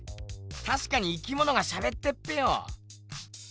たしかに生きものがしゃべってっぺよ。